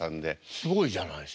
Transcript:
すごいじゃないですか。